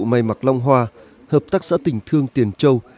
hội đề mặc long hoa hợp tác xã tỉnh thương tiền châu